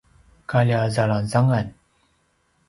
kalja zalangzangan